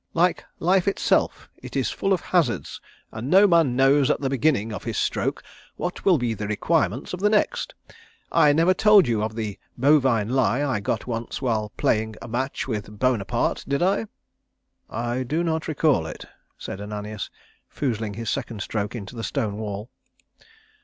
Like life itself it is full of hazards and no man knows at the beginning of his stroke what will be the requirements of the next. I never told you of the bovine lie I got once while playing a match with Bonaparte, did I?" "I do not recall it," said Ananias, foozling his second stroke into the stone wall.